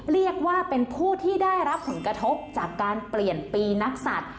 เรียกว่าเป็นผู้ที่ได้รับผลกระทบจากการเปลี่ยนปีนักศัตริย์